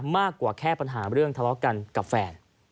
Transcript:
มากกว่าแค่ปัญหาเรื่องทะเลาะกันกับแฟน